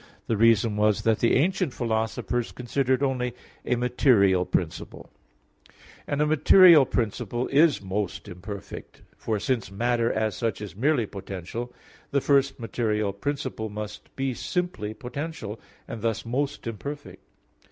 The reason was that the ancient philosophers considered only a material principle; and a material principle is most imperfect. For since matter as such is merely potential, the first material principle must be simply potential, and thus most imperfect.